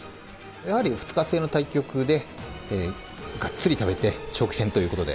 やはり２日制の対局で、がっつり食べて、長期戦ということで、